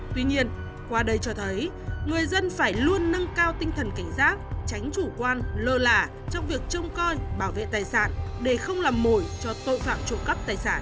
tuy nhiên qua đây cho thấy người dân phải luôn nâng cao tinh thần cảnh giác tránh chủ quan lơ lả trong việc trông coi bảo vệ tài sản để không làm mồi cho tội phạm trộm cắp tài sản